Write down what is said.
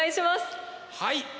はい。